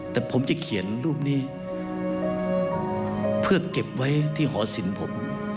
แต่ผมจะเขียนรูปนี้เพื่อเก็บไว้ที่หอสินผม